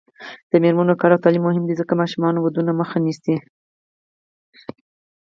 د میرمنو کار او تعلیم مهم دی ځکه چې ماشوم ودونو مخه نیسي.